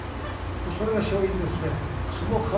それが勝因ですね。